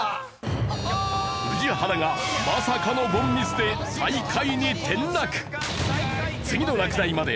宇治原がまさかの凡ミスで最下位に転落。